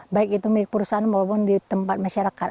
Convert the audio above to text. baik itu milik perusahaan maupun di tempat masyarakat